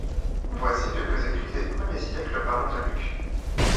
Voici quelques écrits des premiers siècles parlant de Luc.